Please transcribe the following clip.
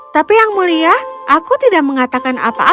tapi yang mulia aku tidak mengatakan apa apa